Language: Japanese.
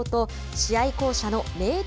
試合巧者の明徳